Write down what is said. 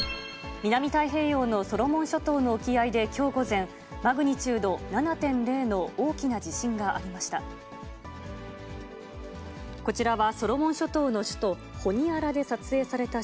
南太平洋のソロモン諸島の沖合できょう午前、マグニチュード７．０の大きな地震がありました。